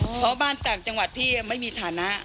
เพราะบ้านต่างจังหวัดพี่ไม่มีฐานะ